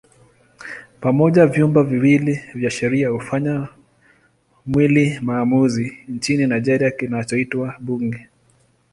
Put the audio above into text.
Pamoja vyumba viwili vya sheria hufanya mwili maamuzi nchini Nigeria kinachoitwa Bunge.